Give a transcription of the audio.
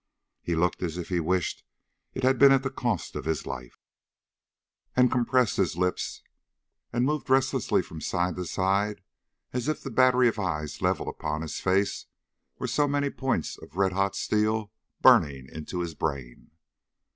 He looked as if he wished it had been at the cost of his life, and compressed his lips and moved restlessly from side to side as if the battery of eyes levelled upon his face were so many points of red hot steel burning into his brain.